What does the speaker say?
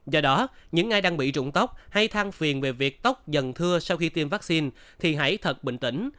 do đó những ai đang bị trụng tóc hay thang phiền về việc tóc dần thưa sau khi tiêm vaccine thì hãy thật bình tĩnh